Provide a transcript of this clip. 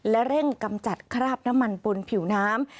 และเร่งกำจัดคราบน้ำมันบนผิวน้ำ